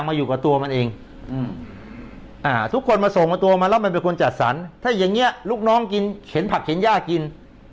แล้วมันเป็นคนจัดสรรถ้าอย่างเนี้ยลูกน้องกินเข็นผักเข็นย่ากิน